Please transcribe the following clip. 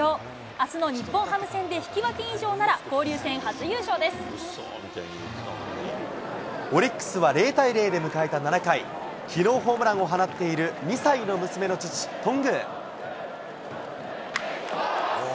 あすの日本ハム戦で引き分け以上オリックスは０対０で迎えた７回、きのう、ホームランを放っている２歳の娘の父、頓宮。